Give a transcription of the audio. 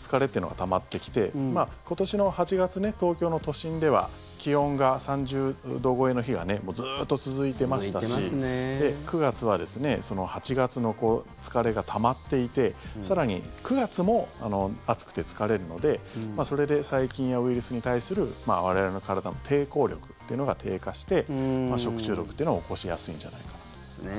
疲れってのは、たまってきて今年の８月、東京の都心では気温が３０度超えの日がずっと続いてましたし９月はですねその８月の疲れがたまっていて更に、９月も暑くて疲れるのでそれで細菌やウイルスに対する我々の体の抵抗力ってのが低下して食中毒ってのを起こしやすいんじゃないか。